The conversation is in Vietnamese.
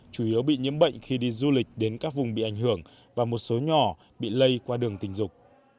chủ yếu bị nhiễm bệnh khi đi du lịch đến các vùng bị ảnh hưởng và một số nhỏ bị lây qua đường tình dục